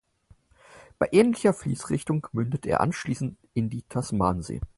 Bei ähnlicher Fließrichtung mündet er anschließend in die Tasmansee.